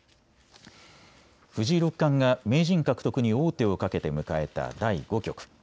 藤井六冠が名人獲得に王手をかけて迎えた第５局。